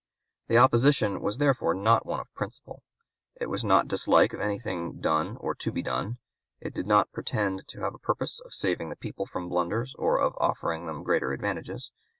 The opposition was therefore not one of principle; it was not dislike of anything done or to be done; it did not pretend to have a purpose of saving the people from blunders or of offering them greater advantages.